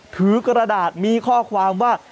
ถือกระดาษมีข้อความว่า